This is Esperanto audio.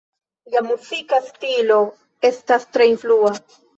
Lia muzika stilo estas tre influa.